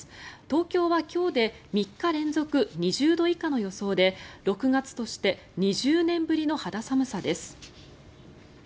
東京は今日で３日連続２０度以下の予想で６月として２０年ぶりの肌寒さです。